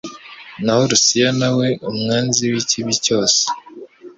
Naho Lucie na we umwanzi w'ikibi cyose